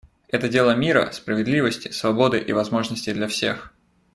Это дело мира, справедливости, свободы и возможностей для всех.